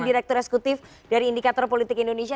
direktur eksekutif dari indikator politik indonesia